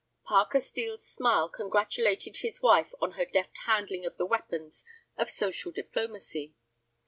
Parker Steel's smile congratulated his wife on her deft handling of the weapons of social diplomacy.